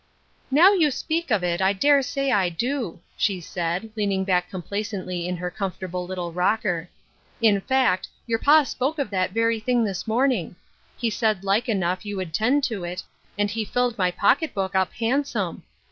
" Now you speak of it, I dare say I do," she said, leaning back complacently in her comfort able little rocker. " In fact, your pa spoke of that very thing this morning. He said like enough you would 'tend to it, and he filled my pocket book up handsome.